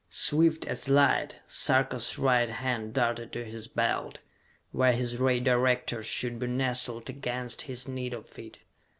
Swift as light, Sarka's right hand darted to his belt, where his ray director should be nestled against his need of it.